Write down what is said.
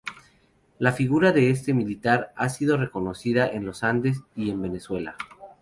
La figura de este militar ha sido reconocida en los Andes y en Venezuela.